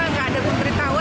nggak ada pemberitahuan